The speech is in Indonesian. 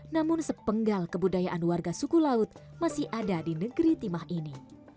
namun sepenggal kebudayaan warga suku laut masih ada di negeri timah ini